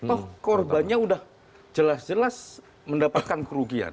oh korbannya udah jelas jelas mendapatkan kerugian